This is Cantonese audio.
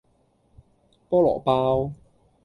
菠蘿包